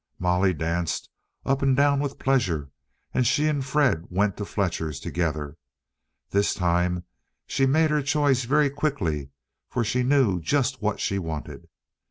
Molly danced up and down with pleasure, and she and Fred went to Fletcher's together. This time she made her choice very quickly, for she knew just what she wanted.